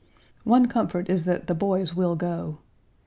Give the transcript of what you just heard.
One comfort is that the boys will go.